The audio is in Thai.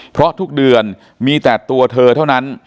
เพราะทุกเดือนมีแต่ตัวเธอเท่านั้น